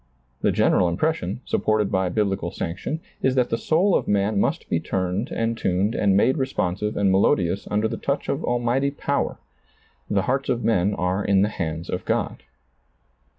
The general impression, supported by biblical sanction, is that the soul of man must ^lailizccbvGoOgle THE VALUE OF THE SOUL 129 be turned and tuned and made responsive and melodious under the touch of almighty power ; the hearts of men are in the hands of God.